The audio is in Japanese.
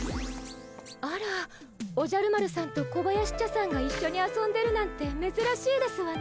あらおじゃる丸さんと小林茶さんが一緒に遊んでるなんてめずらしいですわね。